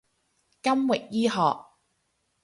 金域醫學